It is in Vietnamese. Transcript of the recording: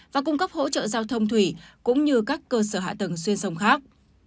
và cung cấp hỗ trợ giao thông thủy cũng như các cơ sở hạ tầng xuyên sông khác